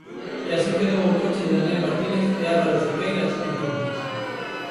E así quedou o coche de Daniel Martínez e Álvaro Cerqueiras en Cuntis.